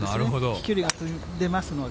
飛距離が出ますので。